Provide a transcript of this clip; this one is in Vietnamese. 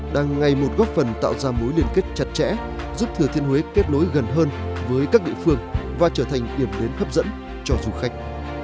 đang ngày một góp phần tạo ra mối liên kết chặt chẽ giúp thừa thiên huế kết nối gần hơn với các địa phương và trở thành điểm đến hấp dẫn cho du khách